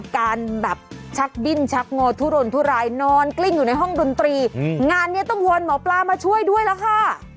การแบบชักดิ้นชักงอทุรนทุรายนอนกลิ้งอยู่ในห้องดนตรีงานนี้ต้องวอนหมอปลามาช่วยด้วยล่ะค่ะ